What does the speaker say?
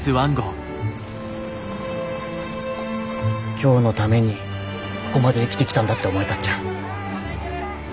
今日のためにここまで生きてきたんだって思えたっちゃ。